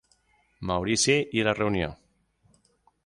Maurici i la Reunió.